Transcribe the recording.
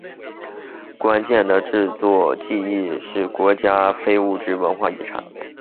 端砚的制作技艺是国家级非物质文化遗产。